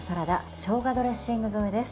しょうがドレッシング添え。